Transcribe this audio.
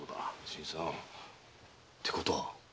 新さんてことは。